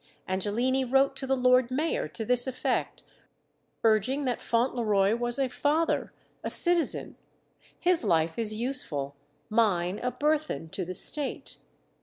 Angelini wrote to the Lord Mayor to this effect, urging that Fauntleroy was a father, a citizen: "his life is useful, mine a burthen, to the State."